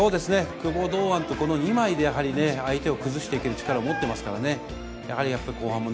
久保、堂安と、この２枚でやはり相手を崩していける力を持ってますからね。